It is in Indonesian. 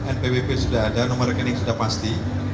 npwp sudah ada nomor rekening sudah pasti